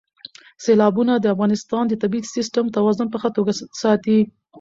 سیلابونه د افغانستان د طبعي سیسټم توازن په ښه توګه ساتي.